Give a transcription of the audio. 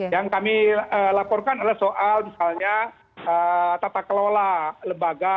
yang kami laporkan adalah soal misalnya tata kelola lembaga